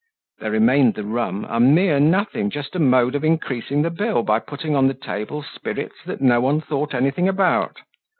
There remained the rum, a mere nothing, just a mode of increasing the bill by putting on the table spirits that no one thought anything about.